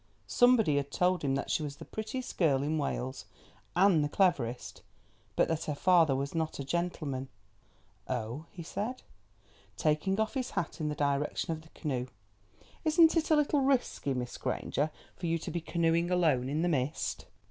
Somebody had told him that she was the prettiest girl in Wales, and the cleverest, but that her father was not a gentleman. "Oh," he said, taking off his hat in the direction of the canoe. "Isn't it a little risky, Miss Granger, for you to be canoeing alone in this mist?"